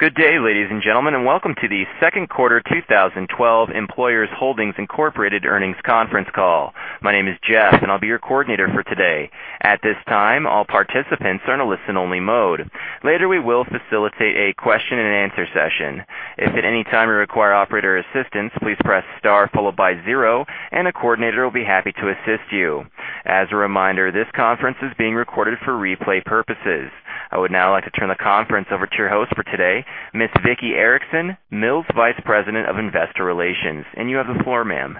Good day, ladies and gentlemen, welcome to the second quarter 2012 Employers Holdings, Inc. earnings conference call. My name is Jeff, I'll be your coordinator for today. At this time, all participants are in a listen-only mode. Later, we will facilitate a question-and-answer session. If at any time you require operator assistance, please press star followed by 0, and a coordinator will be happy to assist you. As a reminder, this conference is being recorded for replay purposes. I would now like to turn the conference over to your host for today, Ms. Vicki Erickson-Mills, Vice President of Investor Relations. You have the floor, ma'am.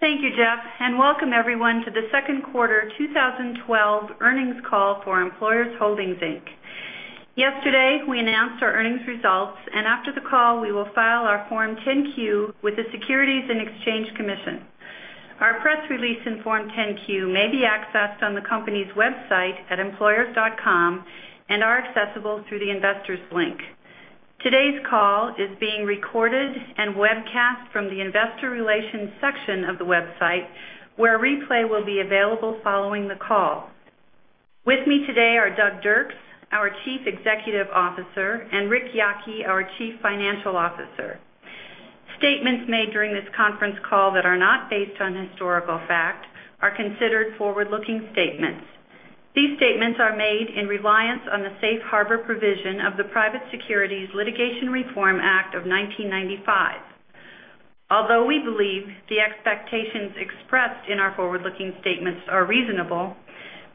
Thank you, Jeff, welcome everyone to the second quarter 2012 earnings call for Employers Holdings, Inc. Yesterday we announced our earnings results, after the call we will file our Form 10-Q with the Securities and Exchange Commission. Our press release and Form 10-Q may be accessed on the company's website at employers.com and are accessible through the investors link. Today's call is being recorded and webcast from the investor relations section of the website, where a replay will be available following the call. With me today are Doug Dirks, our Chief Executive Officer, and Rick Yocke, our Chief Financial Officer. Statements made during this conference call that are not based on historical fact are considered forward-looking statements. These statements are made in reliance on the safe harbor provision of the Private Securities Litigation Reform Act of 1995. Although we believe the expectations expressed in our forward-looking statements are reasonable,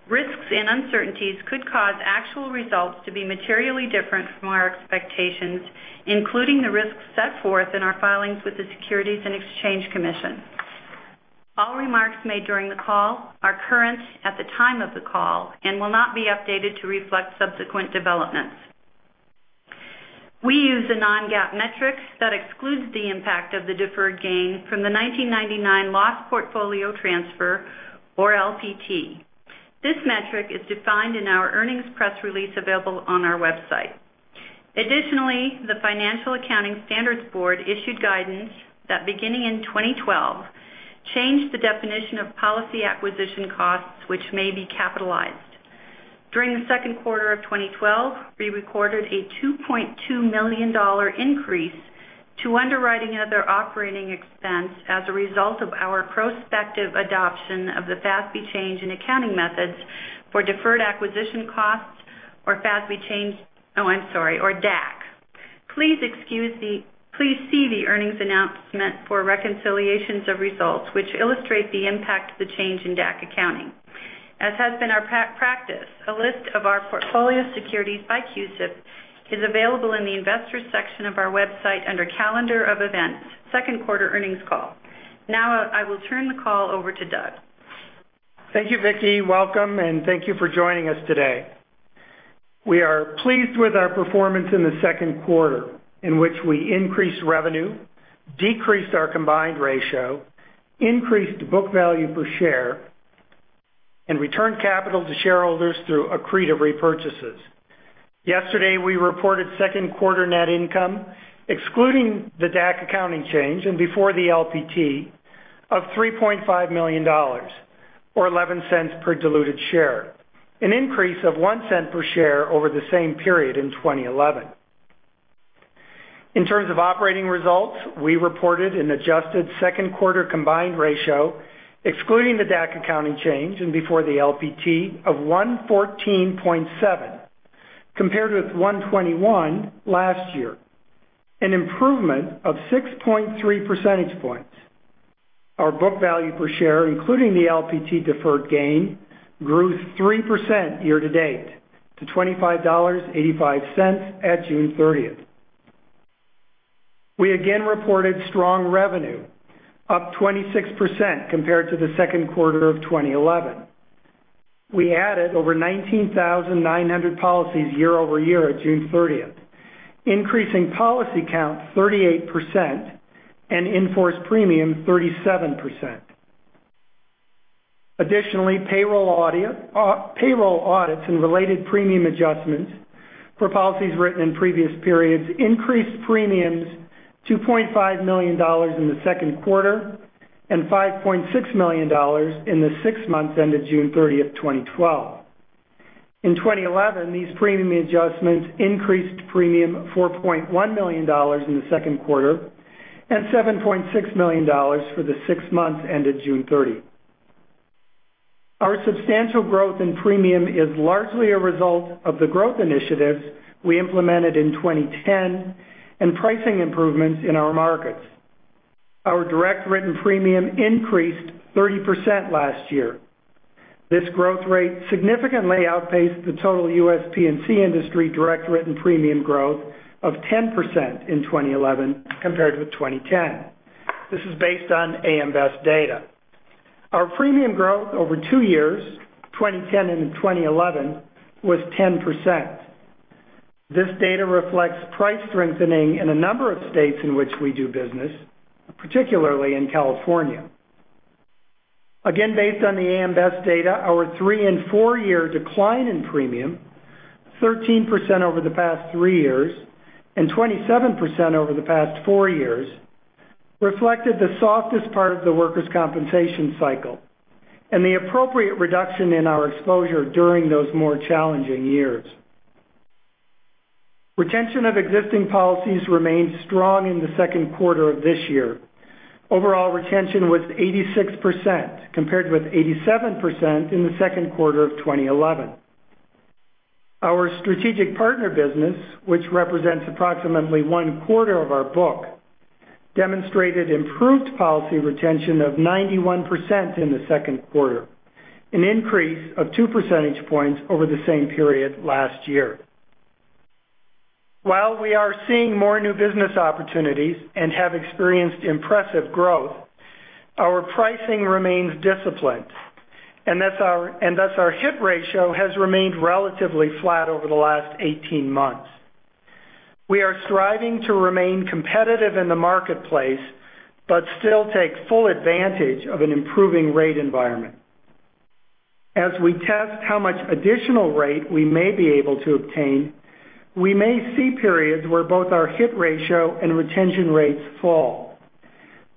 risks and uncertainties could cause actual results to be materially different from our expectations, including the risks set forth in our filings with the Securities and Exchange Commission. All remarks made during the call are current at the time of the call and will not be updated to reflect subsequent developments. We use a non-GAAP metric that excludes the impact of the deferred gain from the 1999 Loss Portfolio Transfer, or LPT. This metric is defined in our earnings press release available on our website. The Financial Accounting Standards Board issued guidance that beginning in 2012, changed the definition of policy acquisition costs which may be capitalized. During the second quarter of 2012, we recorded a $2.2 million increase to underwriting and other operating expense as a result of our prospective adoption of the FASB change in accounting methods for deferred acquisition costs or FASB change, or DAC. Please see the earnings announcement for reconciliations of results which illustrate the impact of the change in DAC accounting. As has been our practice, a list of our portfolio securities by CUSIP is available in the investors section of our website under Calendar of Events: Second Quarter Earnings Call. I will turn the call over to Doug. Thank you, Vicki. Welcome, thank you for joining us today. We are pleased with our performance in the second quarter, in which we increased revenue, decreased our combined ratio, increased book value per share, and returned capital to shareholders through accretive repurchases. Yesterday, we reported second quarter net income, excluding the DAC accounting change and before the LPT, of $3.5 million, or $0.11 per diluted share, an increase of $0.01 per share over the same period in 2011. In terms of operating results, we reported an adjusted second quarter combined ratio, excluding the DAC accounting change and before the LPT, of 114.7 compared with 121 last year, an improvement of 6.3 percentage points. Our book value per share, including the LPT deferred gain, grew 3% year to date to $25.85 at June 30th. We again reported strong revenue, up 26% compared to the second quarter of 2011. We added over 19,900 policies year-over-year at June 30th, increasing policy count 38% and in-force premium 37%. Additionally, payroll audits and related premium adjustments for policies written in previous periods increased premiums to $2.5 million in the second quarter and $5.6 million in the six months ended June 30th, 2012. In 2011, these premium adjustments increased premium $4.1 million in the second quarter and $7.6 million for the six months ended June 30th. Our substantial growth in premium is largely a result of the growth initiatives we implemented in 2010 and pricing improvements in our markets. Our direct written premium increased 30% last year. This growth rate significantly outpaced the total U.S. P&C industry direct written premium growth of 10% in 2011 compared with 2010. This is based on AM Best data. Our premium growth over two years, 2010 and 2011, was 10%. This data reflects price strengthening in a number of states in which we do business, particularly in California. Again, based on the AM Best data, our three and four-year decline in premium, 13% over the past three years and 27% over the past four years, reflected the softest part of the workers' compensation cycle and the appropriate reduction in our exposure during those more challenging years. Retention of existing policies remained strong in the second quarter of this year. Overall retention was 86%, compared with 87% in the second quarter of 2011. Our strategic partner business, which represents approximately one-quarter of our book, demonstrated improved policy retention of 91% in the second quarter, an increase of two percentage points over the same period last year. While we are seeing more new business opportunities and have experienced impressive growth, our pricing remains disciplined, our hit ratio has remained relatively flat over the last 18 months. We are striving to remain competitive in the marketplace, still take full advantage of an improving rate environment. As we test how much additional rate we may be able to obtain, we may see periods where both our hit ratio and retention rates fall.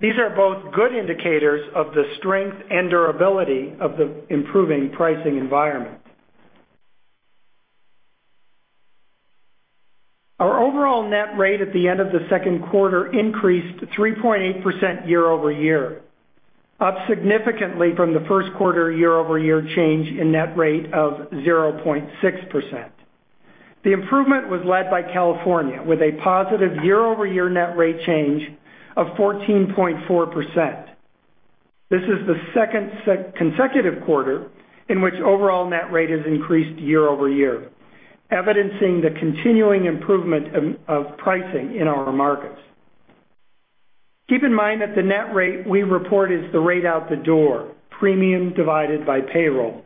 These are both good indicators of the strength and durability of the improving pricing environment. Our overall net rate at the end of the second quarter increased 3.8% year-over-year, up significantly from the first quarter year-over-year change in net rate of 0.6%. The improvement was led by California, with a positive year-over-year net rate change of 14.4%. This is the second consecutive quarter in which overall net rate has increased year-over-year, evidencing the continuing improvement of pricing in our markets. Keep in mind that the net rate we report is the rate out the door, premium divided by payroll.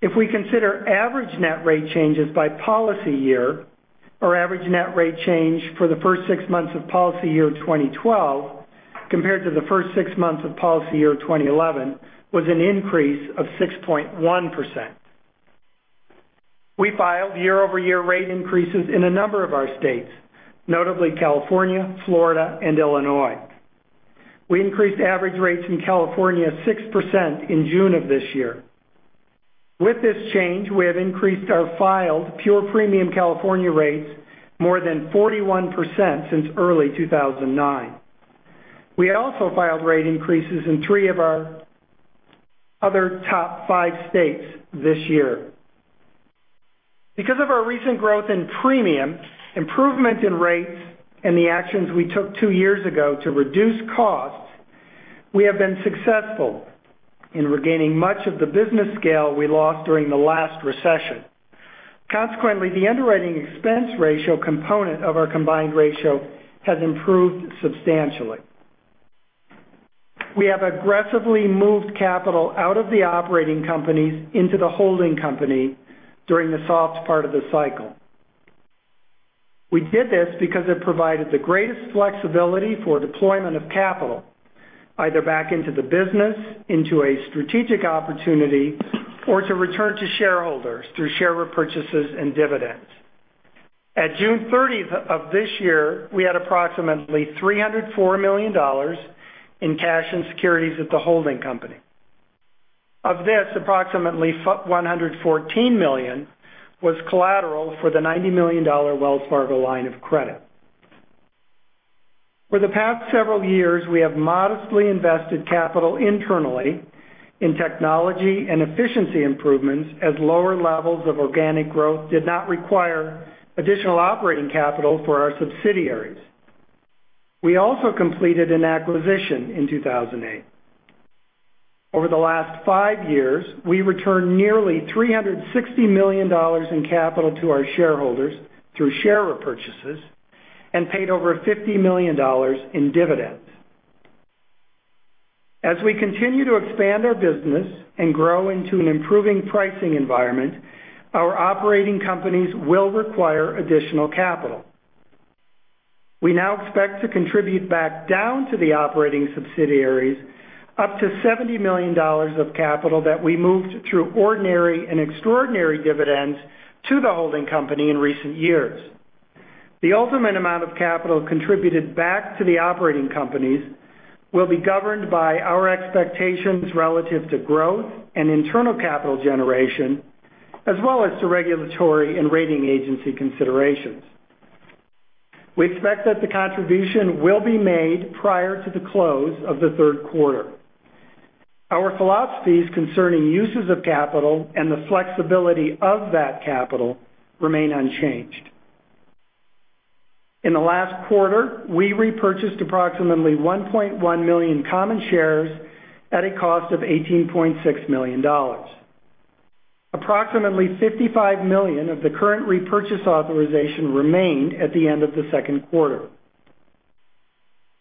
If we consider average net rate changes by policy year, our average net rate change for the first six months of policy year 2012 compared to the first six months of policy year 2011 was an increase of 6.1%. We filed year-over-year rate increases in a number of our states, notably California, Florida, and Illinois. We increased average rates in California 6% in June of this year. With this change, we have increased our filed pure premium California rates more than 41% since early 2009. We had also filed rate increases in three of our other top five states this year. Because of our recent growth in premium, improvement in rates, and the actions we took two years ago to reduce costs, we have been successful in regaining much of the business scale we lost during the last recession. Consequently, the underwriting expense ratio component of our combined ratio has improved substantially. We have aggressively moved capital out of the operating companies into the holding company during the soft part of the cycle. We did this because it provided the greatest flexibility for deployment of capital, either back into the business, into a strategic opportunity, or to return to shareholders through share repurchases and dividends. At June 30th of this year, we had approximately $304 million in cash and securities at the holding company. Of this, approximately $114 million was collateral for the $90 million Wells Fargo line of credit. For the past several years, we have modestly invested capital internally in technology and efficiency improvements as lower levels of organic growth did not require additional operating capital for our subsidiaries. We also completed an acquisition in 2008. Over the last five years, we returned nearly $360 million in capital to our shareholders through share repurchases and paid over $50 million in dividends. As we continue to expand our business and grow into an improving pricing environment, our operating companies will require additional capital. We now expect to contribute back down to the operating subsidiaries up to $70 million of capital that we moved through ordinary and extraordinary dividends to the holding company in recent years. The ultimate amount of capital contributed back to the operating companies will be governed by our expectations relative to growth and internal capital generation, as well as to regulatory and rating agency considerations. We expect that the contribution will be made prior to the close of the third quarter. Our philosophies concerning uses of capital and the flexibility of that capital remain unchanged. In the last quarter, we repurchased approximately 1.1 million common shares at a cost of $18.6 million. Approximately $55 million of the current repurchase authorization remained at the end of the second quarter.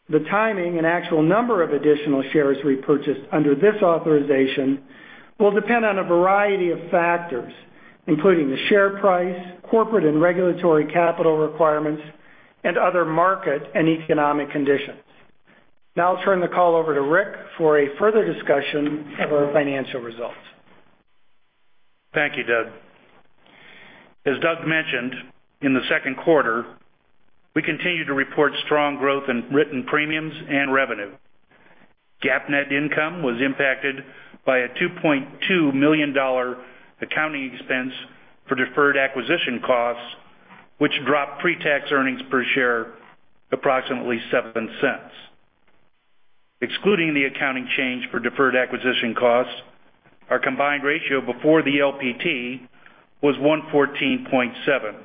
The timing and actual number of additional shares repurchased under this authorization will depend on a variety of factors, including the share price, corporate and regulatory capital requirements, and other market and economic conditions. Now I'll turn the call over to Rick for a further discussion of our financial results. Thank you, Doug. As Doug mentioned, in the second quarter, we continued to report strong growth in written premiums and revenue. GAAP net income was impacted by a $2.2 million accounting expense for deferred acquisition costs, which dropped pre-tax earnings per share approximately $0.07. Excluding the accounting change for deferred acquisition costs, our combined ratio before the LPT was 114.7,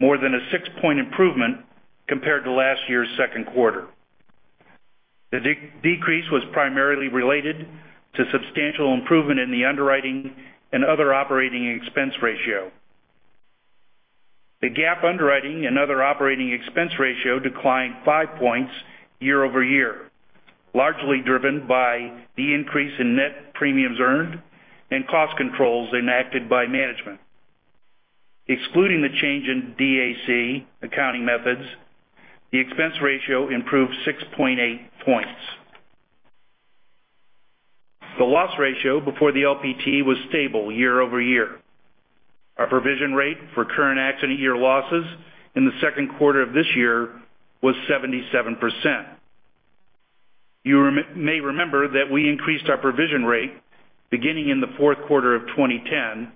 more than a six-point improvement compared to last year's second quarter. The decrease was primarily related to substantial improvement in the underwriting and other operating expense ratio. The GAAP underwriting and other operating expense ratio declined five points year-over-year, largely driven by the increase in net premiums earned and cost controls enacted by management. Excluding the change in DAC accounting methods, the expense ratio improved 6.8 points. The loss ratio before the LPT was stable year-over-year. Our provision rate for current accident year losses in the second quarter of this year was 77%. You may remember that we increased our provision rate beginning in the fourth quarter of 2010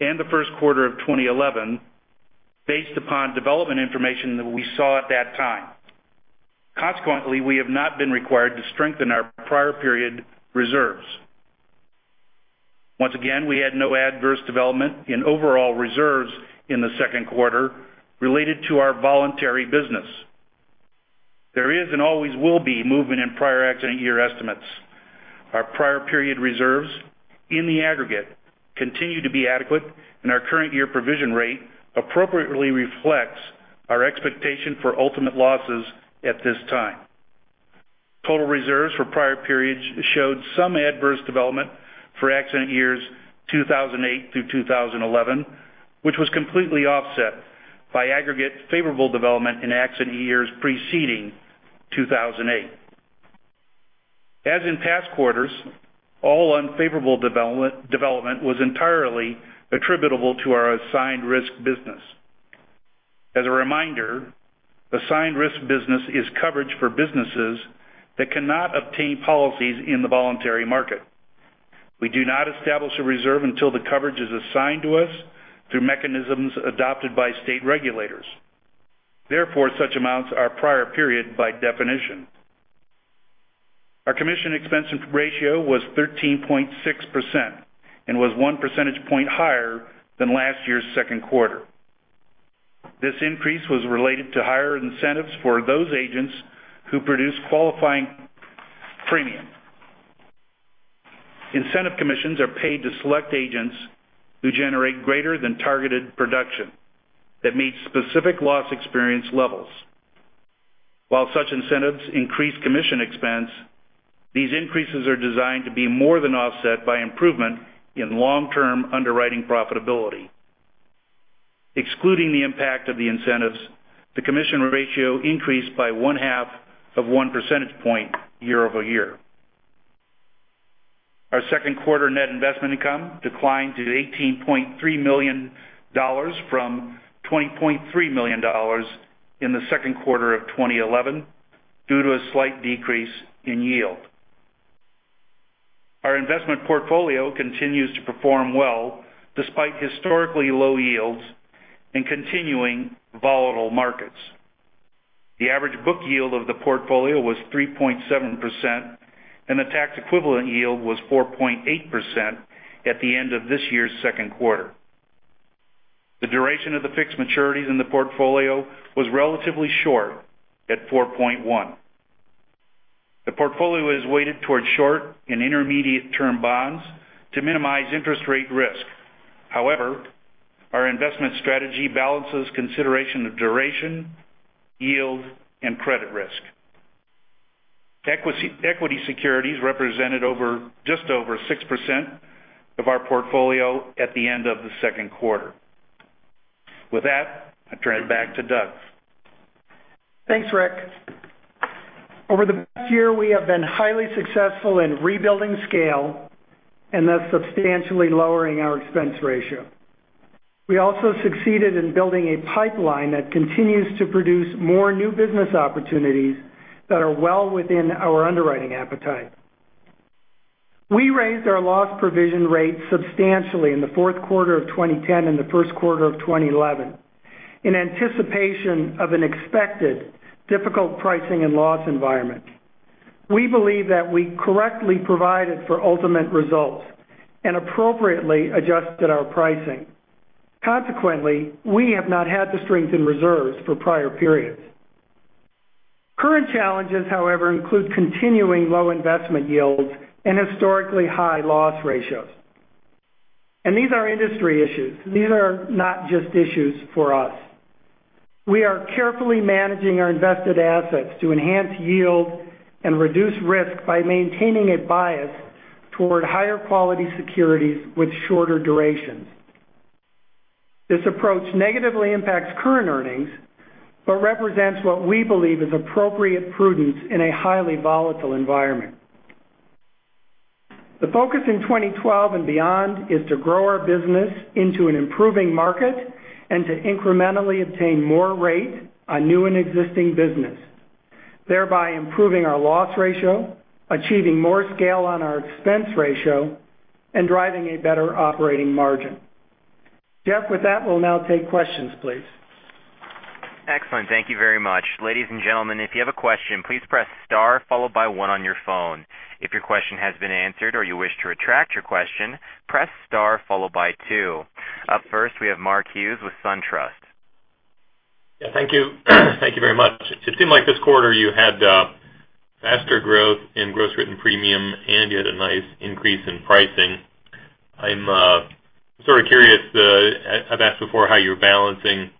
and the first quarter of 2011 based upon development information that we saw at that time. Consequently, we have not been required to strengthen our prior period reserves. Once again, we had no adverse development in overall reserves in the second quarter related to our voluntary business. There is and always will be movement in prior accident year estimates. Our prior period reserves, in the aggregate, continue to be adequate, and our current year provision rate appropriately reflects our expectation for ultimate losses at this time. Total reserves for prior periods showed some adverse development for accident years 2008 through 2011, which was completely offset by aggregate favorable development in accident years preceding 2008. As in past quarters, all unfavorable development was entirely attributable to our assigned risk business. As a reminder, assigned risk business is coverage for businesses that cannot obtain policies in the voluntary market. We do not establish a reserve until the coverage is assigned to us through mechanisms adopted by state regulators. Therefore, such amounts are prior period by definition. Our commission expense ratio was 13.6% and was one percentage point higher than last year's second quarter. This increase was related to higher incentives for those agents who produce qualifying premium. Incentive commissions are paid to select agents who generate greater than targeted production that meets specific loss experience levels. While such incentives increase commission expense, these increases are designed to be more than offset by improvement in long-term underwriting profitability. Excluding the impact of the incentives, the commission ratio increased by one-half of one percentage point year-over-year. Our second quarter net investment income declined to $18.3 million from $20.3 million in the second quarter of 2011 due to a slight decrease in yield. Our investment portfolio continues to perform well despite historically low yields and continuing volatile markets. The average book yield of the portfolio was 3.7%, and the tax equivalent yield was 4.8% at the end of this year's second quarter. The duration of the fixed maturities in the portfolio was relatively short at 4.1. The portfolio is weighted towards short and intermediate term bonds to minimize interest rate risk. Our investment strategy balances consideration of duration, yield, and credit risk. Equity securities represented just over 6% of our portfolio at the end of the second quarter. With that, I turn it back to Doug. Thanks, Rick. Over the past year, we have been highly successful in rebuilding scale and thus substantially lowering our expense ratio. We also succeeded in building a pipeline that continues to produce more new business opportunities that are well within our underwriting appetite. We raised our loss provision rate substantially in the fourth quarter of 2010 and the first quarter of 2011 in anticipation of an expected difficult pricing and loss environment. We believe that we correctly provided for ultimate results and appropriately adjusted our pricing. Consequently, we have not had to strengthen reserves for prior periods. Current challenges, however, include continuing low investment yields and historically high loss ratios. These are industry issues. These are not just issues for us. We are carefully managing our invested assets to enhance yield and reduce risk by maintaining a bias toward higher quality securities with shorter durations. This approach negatively impacts current earnings, represents what we believe is appropriate prudence in a highly volatile environment. The focus in 2012 and beyond is to grow our business into an improving market and to incrementally obtain more rate on new and existing business, thereby improving our loss ratio, achieving more scale on our expense ratio, and driving a better operating margin. Jeff, with that, we'll now take questions, please. Excellent. Thank you very much. Ladies and gentlemen, if you have a question, please press star followed by one on your phone. If your question has been answered or you wish to retract your question, press star followed by two. Up first, we have Mark Hughes with SunTrust. Yeah, thank you. Thank you very much. It seemed like this quarter you had faster growth in gross written premium and you had a nice increase in pricing. I'm sort of curious, I've asked before how you're balancing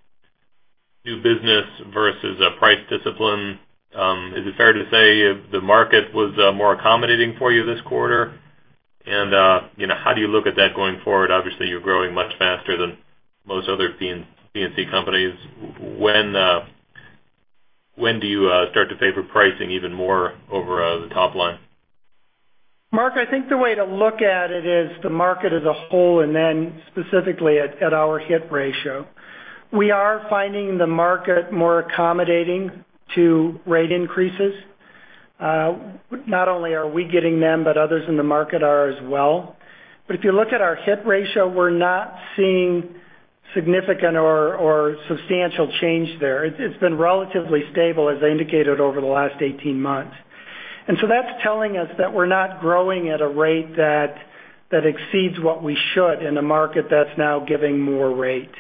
new business versus price discipline. Is it fair to say the market was more accommodating for you this quarter? How do you look at that going forward? Obviously, you're growing much faster than most other P&C companies. When do you start to favor pricing even more over the top line? Mark, I think the way to look at it is the market as a whole, specifically at our hit ratio. We are finding the market more accommodating to rate increases. Not only are we getting them, but others in the market are as well. If you look at our hit ratio, we're not seeing significant or substantial change there. It's been relatively stable, as I indicated, over the last 18 months. That's telling us that we're not growing at a rate that exceeds what we should in a market that's now giving more rate.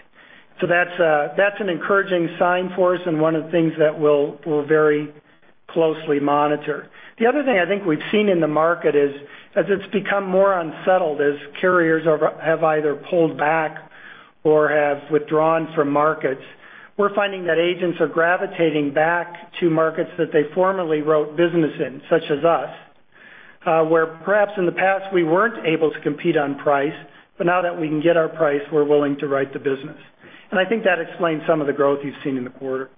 That's an encouraging sign for us and one of the things that we'll very closely monitor. The other thing I think we've seen in the market is as it's become more unsettled, as carriers have either pulled back or have withdrawn from markets, we're finding that agents are gravitating back to markets that they formerly wrote business in, such as us, where perhaps in the past we weren't able to compete on price, but now that we can get our price, we're willing to write the business. I think that explains some of the growth you've seen in the quarter.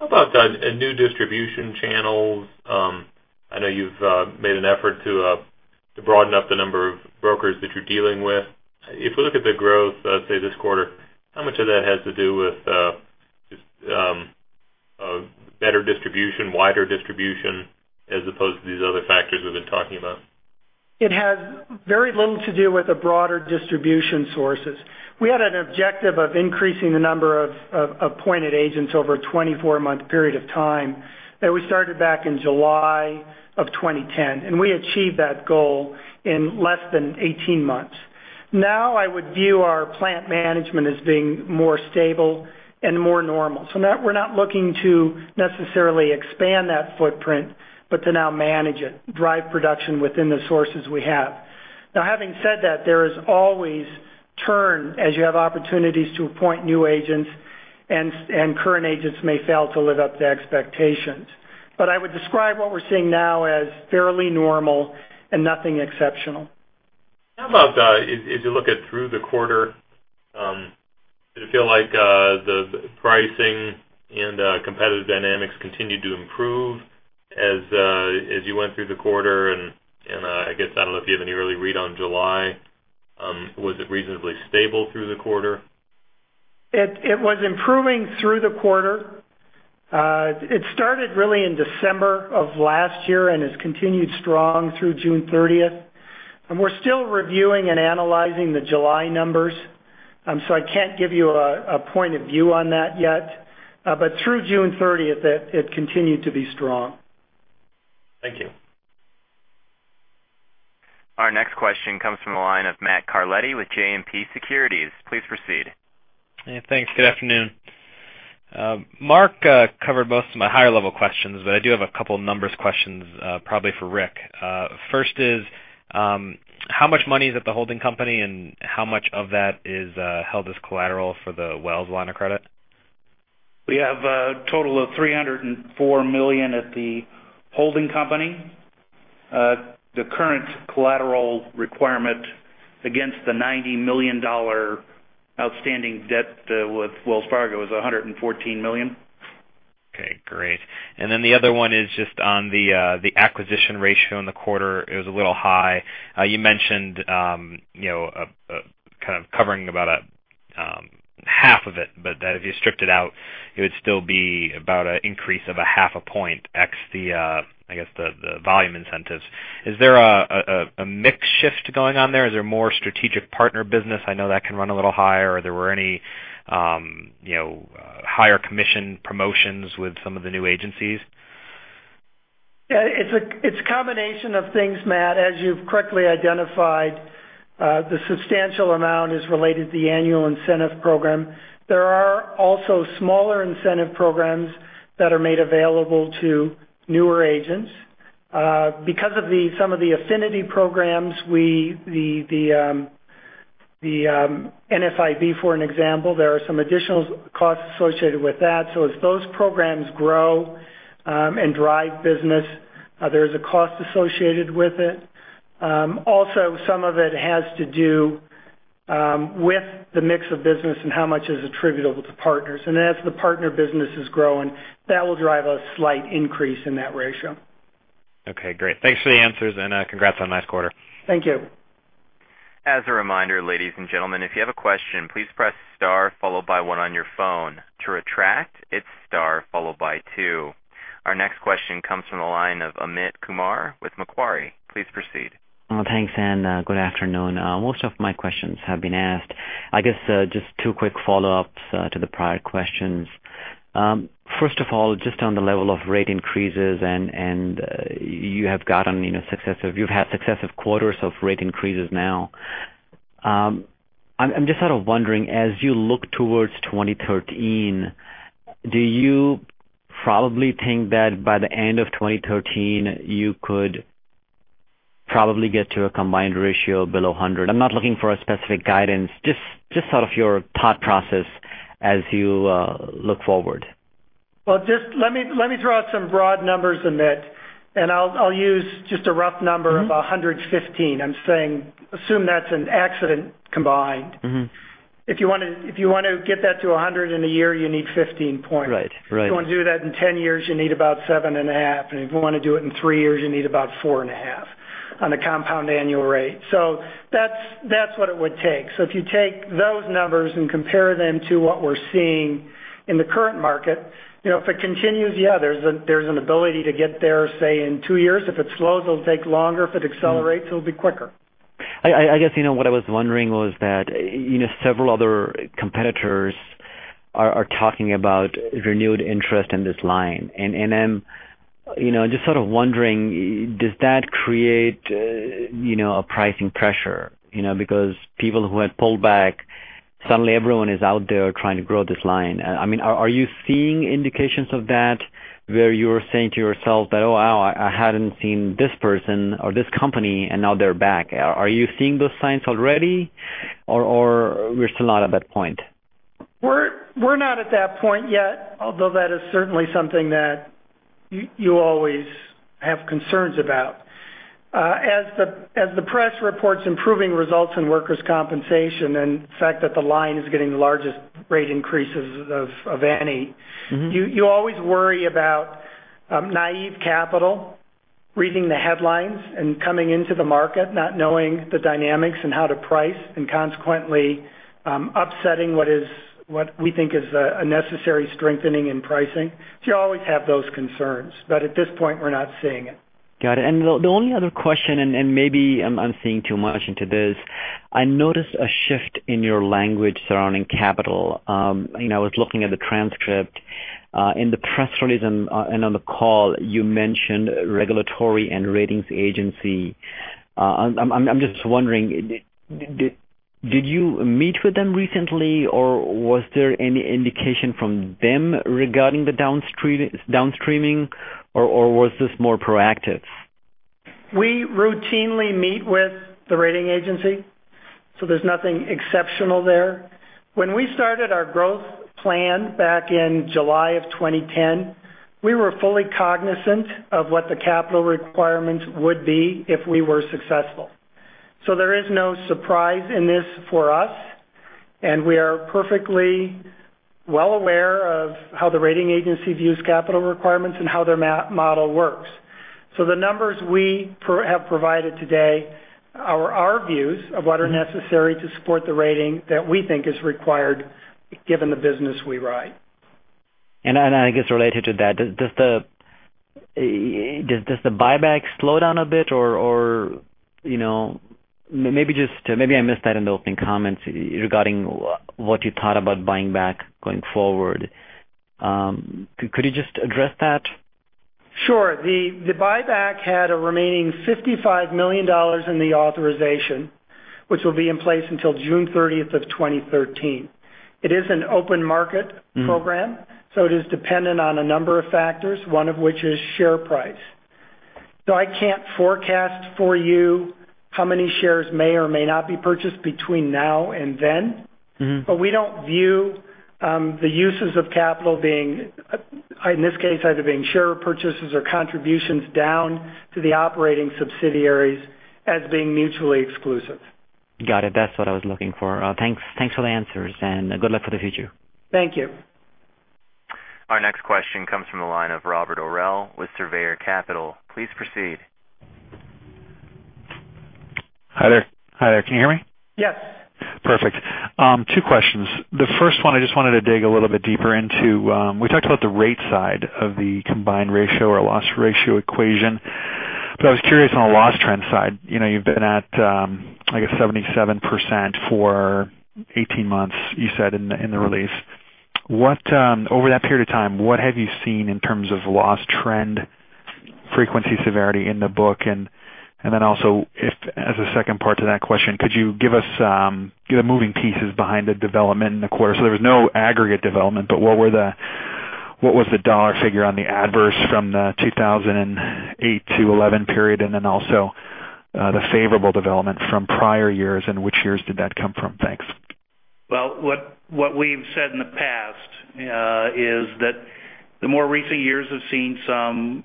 How about new distribution channels? I know you've made an effort to broaden up the number of brokers that you're dealing with. If we look at the growth, let's say, this quarter, how much of that has to do with better distribution, wider distribution, as opposed to these other factors we've been talking about? It has very little to do with the broader distribution sources. We had an objective of increasing the number of appointed agents over a 24-month period of time that we started back in July of 2010, and we achieved that goal in less than 18 months. Now I would view our plant management as being more stable and more normal. We're not looking to necessarily expand that footprint, but to now manage it, drive production within the sources we have. Now, having said that, there is always churn as you have opportunities to appoint new agents and current agents may fail to live up to expectations. I would describe what we're seeing now as fairly normal and nothing exceptional. How about as you look at through the quarter, did it feel like the pricing and competitive dynamics continued to improve as you went through the quarter? I guess, I don't know if you have any early read on July. Was it reasonably stable through the quarter? It was improving through the quarter. It started really in December of last year and has continued strong through June 30th. We're still reviewing and analyzing the July numbers. I can't give you a point of view on that yet. Through June 30th, it continued to be strong. Thank you. Our next question comes from the line of Matt Carletti with JMP Securities. Please proceed. Yeah, thanks. Good afternoon. Mark covered most of my higher-level questions, but I do have a couple numbers questions probably for Rick. First is, how much money is at the holding company, and how much of that is held as collateral for the Wells line of credit? We have a total of $304 million at the holding company. The current collateral requirement against the $90 million outstanding debt with Wells Fargo is $114 million. Okay, great. The other one is just on the acquisition ratio in the quarter. It was a little high. You mentioned kind of covering about half of it, but that if you stripped it out, it would still be about an increase of a half a point x the volume incentives. Is there a mix shift going on there? Is there more strategic partner business? I know that can run a little higher. Were there any higher commission promotions with some of the new agencies? It's a combination of things, Matt. As you've correctly identified, the substantial amount is related to the annual incentive program. There are also smaller incentive programs that are made available to newer agents. Because of some of the affinity programs, the NFIB, for an example, there are some additional costs associated with that. As those programs grow and drive business, there is a cost associated with it. Also, some of it has to do with the mix of business and how much is attributable to partners. As the partner business is growing, that will drive a slight increase in that ratio. Okay, great. Thanks for the answers and congrats on last quarter. Thank you. As a reminder, ladies and gentlemen, if you have a question, please press star followed by one on your phone. To retract, it's star followed by two. Our next question comes from the line of Amit Kumar with Macquarie. Please proceed. Thanks. Good afternoon. Most of my questions have been asked. I guess, just two quick follow-ups to the prior questions. First of all, just on the level of rate increases and you've had successive quarters of rate increases now. I'm just sort of wondering, as you look towards 2013, do you probably think that by the end of 2013 you could probably get to a combined ratio below 100? I'm not looking for a specific guidance, just sort of your thought process as you look forward. Just let me throw out some broad numbers, Amit, and I'll use just a rough number of 115. I'm saying assume that's an accident combined. If you want to get that to 100 in a year, you need 15 points. Right. If you want to do that in 10 years, you need about seven and a half, and if you want to do it in three years, you need about four and a half on a compound annual rate. That's what it would take. If you take those numbers and compare them to what we're seeing in the current market, if it continues, yeah, there's an ability to get there, say in two years. If it slows, it'll take longer. If it accelerates, it'll be quicker. I guess what I was wondering was that several other competitors are talking about renewed interest in this line, and I'm just sort of wondering, does that create a pricing pressure? People who had pulled back, suddenly everyone is out there trying to grow this line. Are you seeing indications of that where you're saying to yourself that, "Oh, wow. I hadn't seen this person or this company, and now they're back." Are you seeing those signs already or we're still not at that point? We're not at that point yet, although that is certainly something that you always have concerns about. As the press reports improving results in workers' compensation and the fact that the line is getting the largest rate increases of any, you always worry about naive capital reading the headlines and coming into the market not knowing the dynamics and how to price and consequently, upsetting what we think is a necessary strengthening in pricing. You always have those concerns, but at this point, we're not seeing it. Got it. The only other question, and maybe I'm seeing too much into this, I noticed a shift in your language surrounding capital. I was looking at the transcript, in the press release and on the call you mentioned regulatory and ratings agency. I'm just wondering, did you meet with them recently, or was there any indication from them regarding the downstreaming, or was this more proactive? We routinely meet with the rating agency. There's nothing exceptional there. When we started our growth plan back in July of 2010, we were fully cognizant of what the capital requirements would be if we were successful. There is no surprise in this for us, and we are perfectly well aware of how the rating agency views capital requirements and how their model works. The numbers we have provided today are our views of what are necessary to support the rating that we think is required given the business we write. I guess related to that, does the buyback slow down a bit? Maybe I missed that in the opening comments regarding what you thought about buying back going forward. Could you just address that? Sure. The buyback had a remaining $55 million in the authorization, which will be in place until June 30th of 2013. It is an open market program, it is dependent on a number of factors, one of which is share price. I can't forecast for you how many shares may or may not be purchased between now and then. We don't view the uses of capital being, in this case, either being share purchases or contributions down to the operating subsidiaries as being mutually exclusive. Got it. That's what I was looking for. Thanks for the answers. Good luck for the future. Thank you. Our next question comes from the line of Robert Oravec with Surveyor Capital. Please proceed. Hi there. Can you hear me? Yes. Perfect. Two questions. The first one I just wanted to dig a little bit deeper into. We talked about the rate side of the combined ratio or loss ratio equation, but I was curious on the loss trend side. You've been at, I guess 77% for 18 months, you said in the release. Over that period of time, what have you seen in terms of loss trend frequency severity in the book? As a second part to that question, could you give us the moving pieces behind the development in the quarter? There was no aggregate development, but what was the dollar figure on the adverse from the 2008-2011 period, and then also the favorable development from prior years and which years did that come from? Thanks. Well, what we've said in the past is that the more recent years have seen some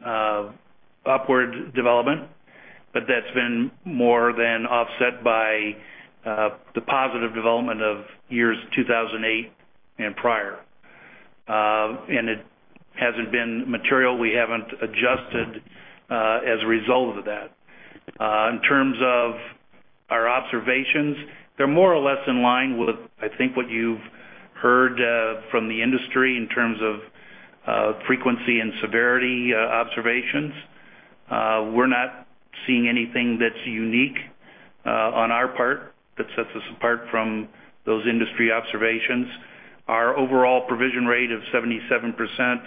upward development, but that's been more than offset by the positive development of years 2008 and prior. It hasn't been material, we haven't adjusted as a result of that. In terms of our observations, they're more or less in line with, I think, what you've heard from the industry in terms of frequency and severity observations. Our overall provision rate of 77%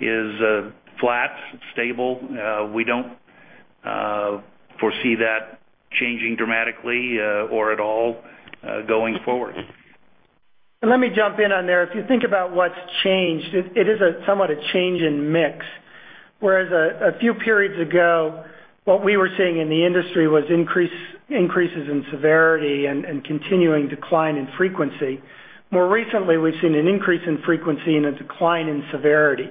is flat, stable. We don't foresee that changing dramatically or at all going forward. Let me jump in on there. If you think about what's changed, it is somewhat a change in mix, whereas a few periods ago, what we were seeing in the industry was increases in severity and continuing decline in frequency. More recently, we've seen an increase in frequency and a decline in severity.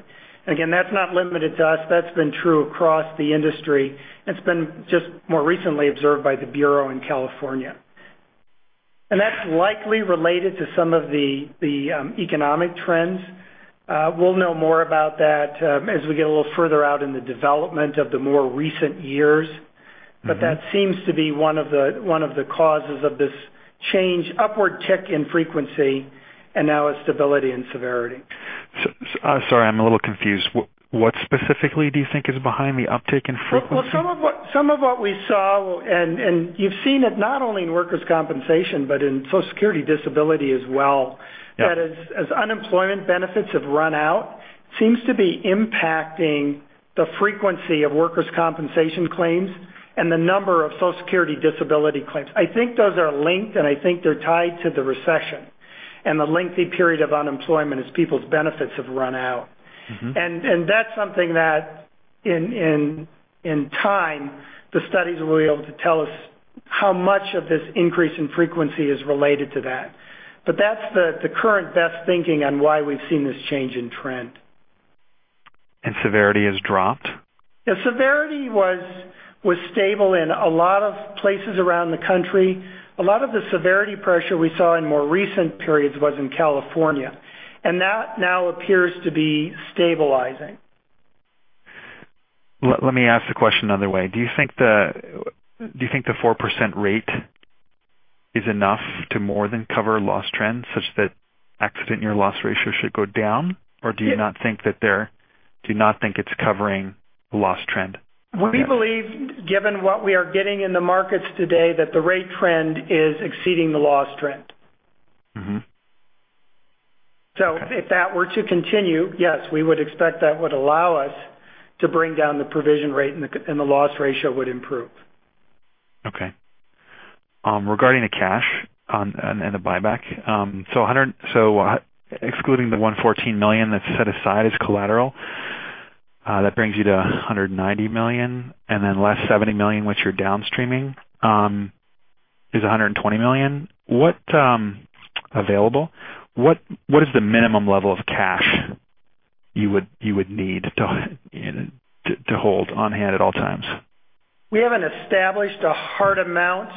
Again, that's not limited to us. That's been true across the industry, and it's been just more recently observed by the Bureau in California. That's likely related to some of the economic trends. We'll know more about that as we get a little further out in the development of the more recent years. That seems to be one of the causes of this change, upward tick in frequency and now a stability in severity. Sorry, I'm a little confused. What specifically do you think is behind the uptick in frequency? Well, some of what we saw, and you've seen it not only in workers' compensation, but in Social Security disability as well, that as unemployment benefits have run out, seems to be impacting the frequency of workers' compensation claims and the number of Social Security disability claims. I think those are linked, I think they're tied to the recession and the lengthy period of unemployment as people's benefits have run out. That's something that in time, the studies will be able to tell us how much of this increase in frequency is related to that. That's the current best thinking on why we've seen this change in trend. Severity has dropped? Yeah. Severity was stable in a lot of places around the country. A lot of the severity pressure we saw in more recent periods was in California, that now appears to be stabilizing. Let me ask the question another way. Do you think the 4% rate is enough to more than cover loss trends such that accident year loss ratio should go down? Do you not think it's covering the loss trend? We believe, given what we are getting in the markets today, that the rate trend is exceeding the loss trend. If that were to continue, yes, we would expect that would allow us to bring down the provision rate, and the loss ratio would improve. Okay. Regarding the cash and the buyback, so excluding the $114 million that's set aside as collateral, that brings you to $190 million, and then less $70 million, which you're downstreaming, is $120 million available. What is the minimum level of cash you would need to hold on-hand at all times? We haven't established a hard amount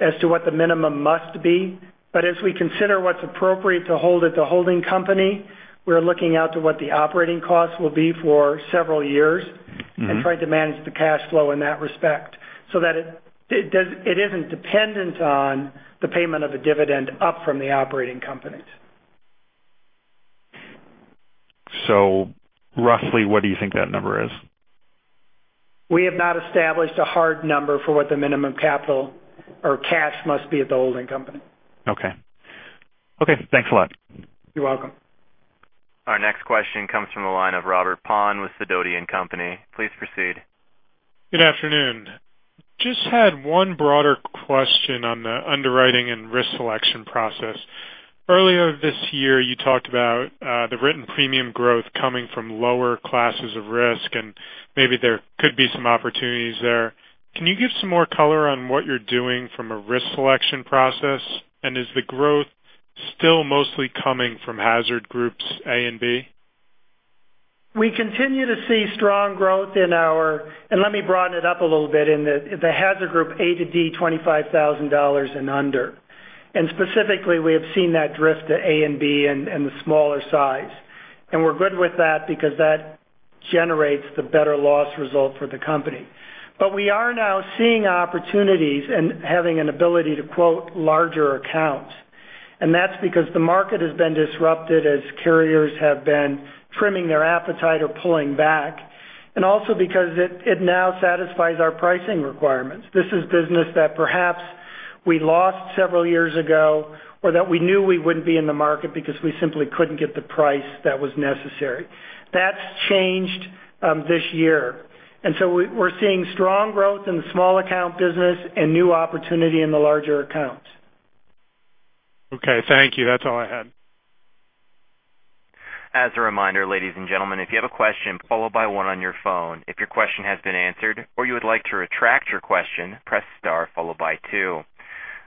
as to what the minimum must be, but as we consider what's appropriate to hold at the holding company, we're looking out to what the operating costs will be for several years and trying to manage the cash flow in that respect so that it isn't dependent on the payment of a dividend up from the operating companies. Roughly what do you think that number is? We have not established a hard number for what the minimum capital or cash must be at the holding company. Okay. Thanks a lot. You're welcome. Our next question comes from the line of Robert Pond with Sidoti & Company. Please proceed. Good afternoon. Just had one broader question on the underwriting and risk selection process. Earlier this year, you talked about the written premium growth coming from lower classes of risk, and maybe there could be some opportunities there. Can you give some more color on what you're doing from a risk selection process? Is the growth still mostly coming from hazard groups A and B? We continue to see strong growth in our, let me broaden it up a little bit, in the hazard group A to D, $25,000 and under. Specifically, we have seen that drift to A and B in the smaller size. We're good with that because that generates the better loss result for the company. We are now seeing opportunities and having an ability to quote larger accounts. That's because the market has been disrupted as carriers have been trimming their appetite or pulling back, also because it now satisfies our pricing requirements. This is business that perhaps we lost several years ago or that we knew we wouldn't be in the market because we simply couldn't get the price that was necessary. That's changed this year. We're seeing strong growth in the small account business and new opportunity in the larger accounts. Okay, thank you. That's all I had. As a reminder, ladies and gentlemen, if you have a question, followed by one on your phone. If your question has been answered or you would like to retract your question, press star followed by two.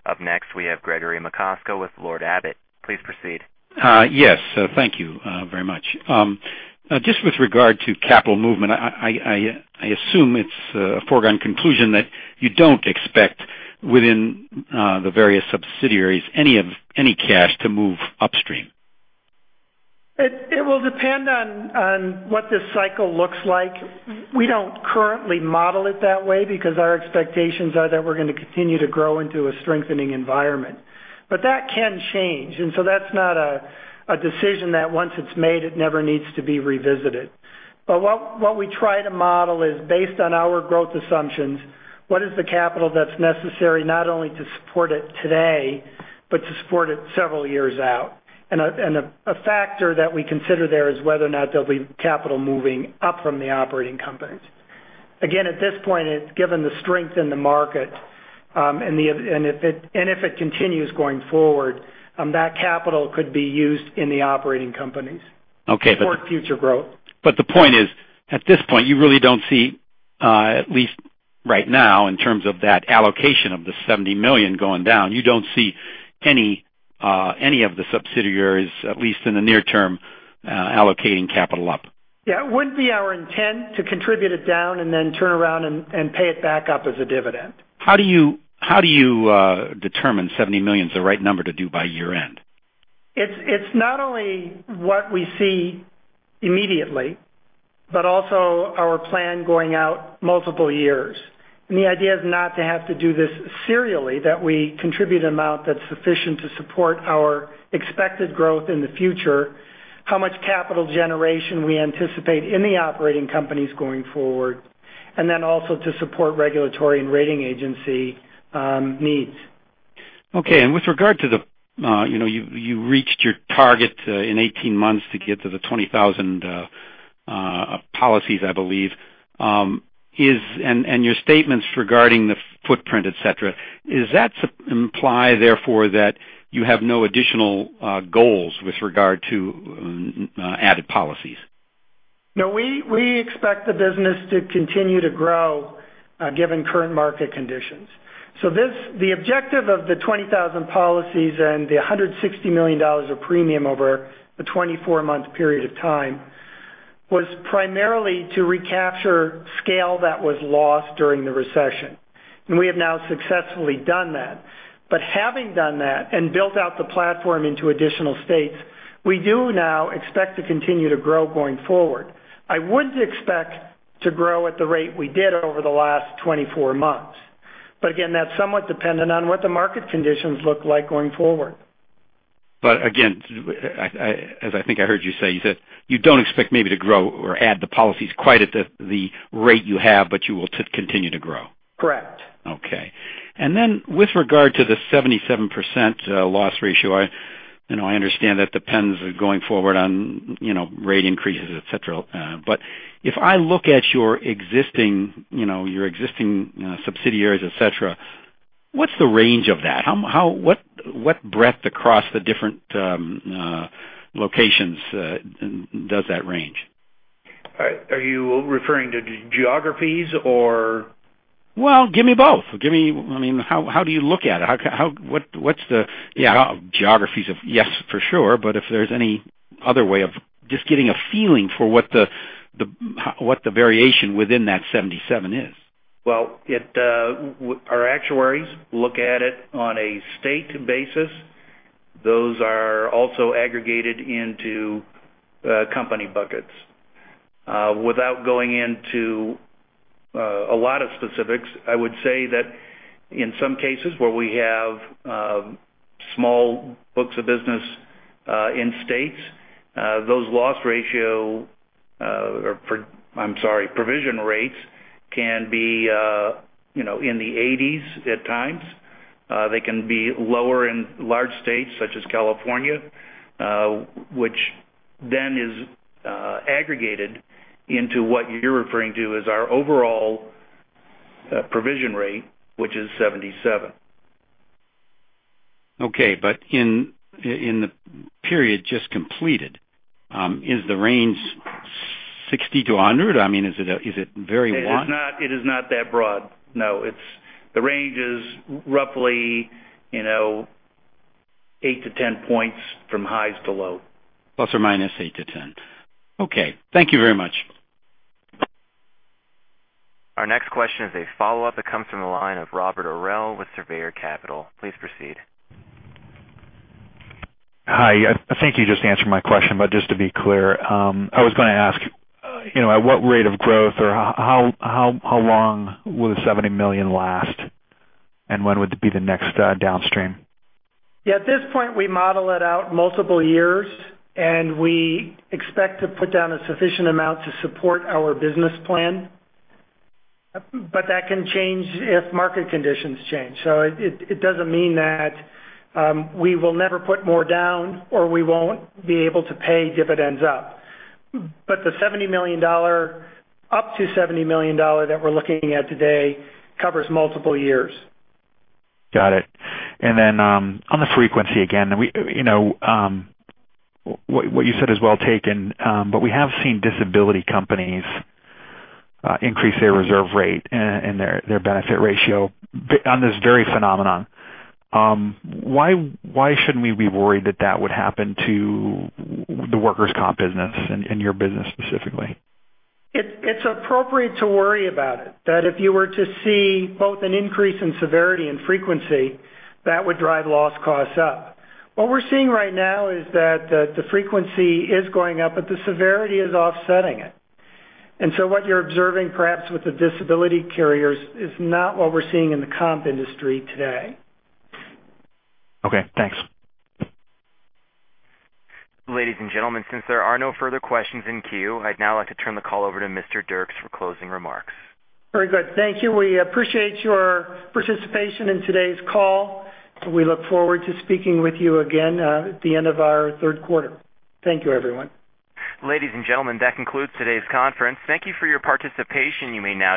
Up next, we have Gregory Macosko with Lord Abbett. Please proceed. Thank you very much. With regard to capital movement, I assume it's a foregone conclusion that you don't expect within the various subsidiaries any cash to move upstream. It will depend on what this cycle looks like. We don't currently model it that way because our expectations are that we're going to continue to grow into a strengthening environment. That can change. That's not a decision that once it's made, it never needs to be revisited. What we try to model is based on our growth assumptions, what is the capital that's necessary not only to support it today, but to support it several years out. A factor that we consider there is whether or not there'll be capital moving up from the operating companies. Again, at this point, given the strength in the market, and if it continues going forward, that capital could be used in the operating companies. Okay. Support future growth. The point is, at this point, you really don't see, at least right now in terms of that allocation of the $70 million going down, you don't see any of the subsidiaries, at least in the near term, allocating capital up. Yeah. It wouldn't be our intent to contribute it down and then turn around and pay it back up as a dividend. How do you determine $70 million is the right number to do by year-end? It's not only what we see immediately, but also our plan going out multiple years. The idea is not to have to do this serially, that we contribute an amount that's sufficient to support our expected growth in the future, how much capital generation we anticipate in the operating companies going forward, and then also to support regulatory and rating agency needs. Okay. With regard to the, you reached your target in 18 months to get to the 20,000 policies, I believe. Your statements regarding the footprint, et cetera, is that imply therefore that you have no additional goals with regard to added policies? No. We expect the business to continue to grow given current market conditions. The objective of the 20,000 policies and the $160 million of premium over the 24-month period of time was primarily to recapture scale that was lost during the recession. We have now successfully done that. Having done that and built out the platform into additional states, we do now expect to continue to grow going forward. I wouldn't expect to grow at the rate we did over the last 24 months. Again, that's somewhat dependent on what the market conditions look like going forward. Again, as I think I heard you say, you said you don't expect maybe to grow or add the policies quite at the rate you have, but you will continue to grow. Correct. Okay. Then with regard to the 77% loss ratio, I understand that depends going forward on rate increases, et cetera. If I look at your existing subsidiaries, et cetera, what's the range of that? What breadth across the different locations does that range? Are you referring to geographies or? Well, give me both. How do you look at it? What's the geographies? Yes, for sure. If there's any other way of just getting a feeling for what the variation within that 77 is. Well, our actuaries look at it on a state basis. Those are also aggregated into company buckets. Without going into a lot of specifics, I would say that in some cases where we have small books of business in states, those loss ratio, I'm sorry, provision rates can be in the 80s at times. They can be lower in large states such as California, which then is aggregated into what you're referring to as our overall provision rate, which is 77. Okay. In the period just completed, is the range 60 to 100? I mean, is it very wide? It is not that broad. No. The range is roughly 8-10 points from highs to low. ±8-10. Okay. Thank you very much. Our next question is a follow-up. It comes from the line of Robert Roell with Surveyor Capital. Please proceed. Hi. I think you just answered my question, but just to be clear, I was going to ask, at what rate of growth or how long will the $70 million last, and when would be the next downstream? Yeah. At this point, we model it out multiple years, and we expect to put down a sufficient amount to support our business plan. That can change if market conditions change. It doesn't mean that we will never put more down or we won't be able to pay dividends up. The up to $70 million that we're looking at today covers multiple years. Got it. Then on the frequency, again, what you said is well taken, we have seen disability companies increase their reserve rate and their benefit ratio on this very phenomenon. Why shouldn't we be worried that that would happen to the workers' comp business and your business specifically? It's appropriate to worry about it, that if you were to see both an increase in severity and frequency, that would drive loss costs up. What we're seeing right now is that the frequency is going up, but the severity is offsetting it. So what you're observing perhaps with the disability carriers is not what we're seeing in the comp industry today. Okay, thanks. Ladies and gentlemen, since there are no further questions in queue, I'd now like to turn the call over to Mr. Dirks for closing remarks. Very good. Thank you. We appreciate your participation in today's call. We look forward to speaking with you again at the end of our third quarter. Thank you, everyone. Ladies and gentlemen, that concludes today's conference. Thank you for your participation. You may now disconnect.